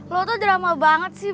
lo tuh drama banget sih